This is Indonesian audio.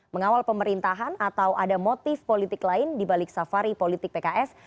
mengawal pemerintahan atau ada motif politik lain dibalik safari politik pks